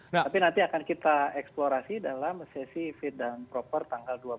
tapi nanti akan kita eksplorasi dalam sesi fitnah proper tanggal dua belas